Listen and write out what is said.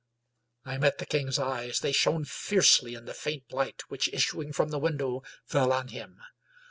I met the king's eyes. They shone fiercely in the faint light, which issuing from the window fell on him.